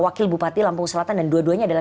wakil bupati lampung selatan dan dua duanya adalah